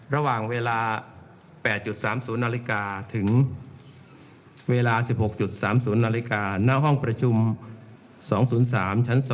ระหว่างเวลา๘๓๐นถึงเวลา๑๖๓๐นณห้องประชุม๒๐๓ช๒